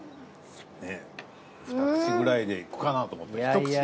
２口くらいでいくかなと思ったら１口で！